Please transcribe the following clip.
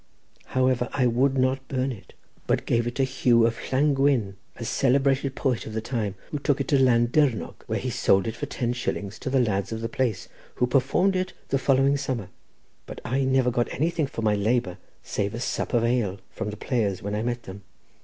However, I would not burn it, but gave it to Hugh of Llangwin, a celebrated poet of the time, who took it to Llandyrnog, where he sold it for ten shillings to the lads of the place, who performed it the following summer; but I never got anything for my labour, save a sup of ale from the players when I met them.